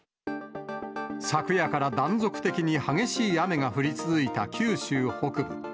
昨夜から断続的に激しく雨が降り続いた九州北部。